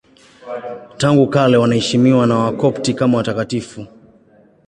Tangu kale wanaheshimiwa na Wakopti kama watakatifu.